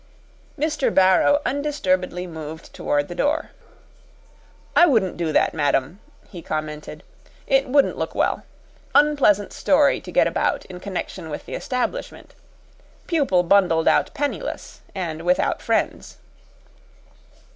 Mr. Barrow undisturbedly moved toward the door. "I wouldn't do that, madam," he commented; "it wouldn't look well. Unpleasant story to get about in connection with the establishment. Pupil bundled out penniless and without friends."